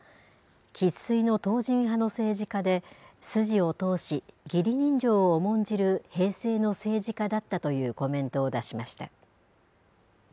生っ粋の党人派の政治家で、筋を通し、義理人情を重んじる平成の政治家だったというコメントを出しました。